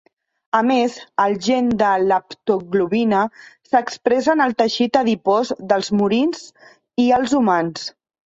A més, el gen de l'haptoglobina s'expressa en el teixit adipós dels murins i els humans.